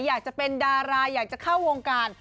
อยากจะเป็นดาราอยากจะเข้าวงการ